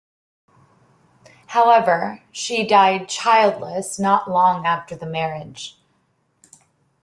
However, she died childless not long after the marriage.